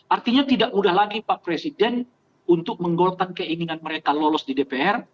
artinya tidak mudah lagi pak presiden untuk menggolkan keinginan mereka lolos di dpr